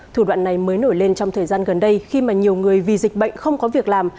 thủ đoạn này mới nổi lên trong thời gian gần đây khi mà nhiều người vì dịch bệnh không có việc làm